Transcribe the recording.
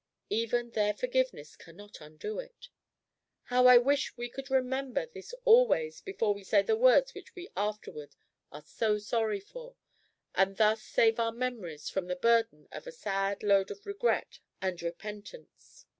Even their forgiveness cannot undo it. How I wish we could remember this always before we say the words which we afterward are so sorry for, and thus save our memories from the burden of a sad load of regret and repentance!